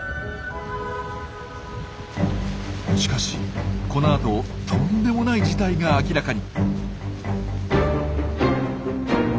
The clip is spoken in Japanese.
しかしこのあととんでもない事態が明らかに。